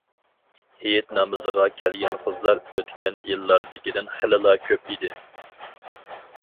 ھېيت نامىزىغا كەلگەن قىزلار ئۆتكەن يىللاردىكىدىن خېلىلا كۆپ ئىدى.